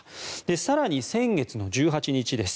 更に、先月１８日です。